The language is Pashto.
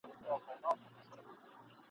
یو څه وخت یې په ځالۍ کي لویومه !.